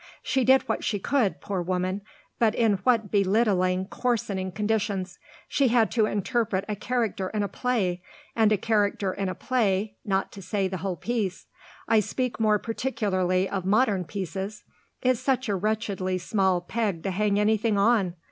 "She did what she could, poor woman, but in what belittling, coarsening conditions! She had to interpret a character in a play, and a character in a play not to say the whole piece: I speak more particularly of modern pieces is such a wretchedly small peg to hang anything on!